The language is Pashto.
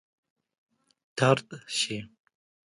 طرد شي.